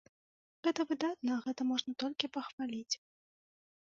Гэта выдатна, гэта можна толькі пахваліць.